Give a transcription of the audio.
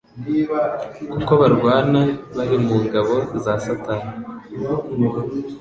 kuko barwana bari mu ngabo za Satani.